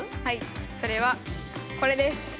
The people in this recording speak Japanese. はいそれはこれです。